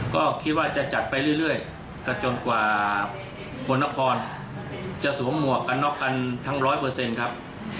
ก็คิดว่าจะจัดไปเรื่อยก็จนกว่าคนนครจะสวมหมวกกันน็อกกันทั้งร้อยเปอร์เซ็นต์ครับ